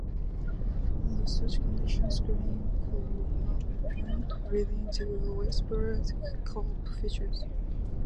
Under such conditions, grain could not ripen, leading to widespread crop failures.